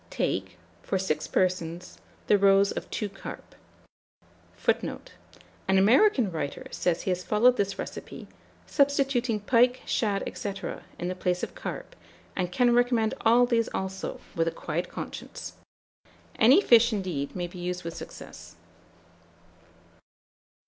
Take, for 6 persons, the roes of 2 carp; [Footnote: An American writer says he has followed this recipe, substituting pike, shad, &c., in the place of carp, and can recommend all these also, with a quiet conscience. Any fish, indeed, may be used with success.